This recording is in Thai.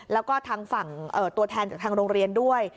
แล้วก็ทางฝั่งตัวแทนจากทางโรงเรียนด้วย